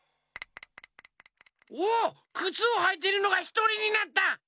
おっくつをはいてるのがひとりになった！